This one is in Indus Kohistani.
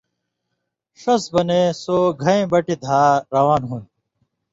ݜس بنے سو گھَیں بٹھیۡ دھا روان ہُون٘د۔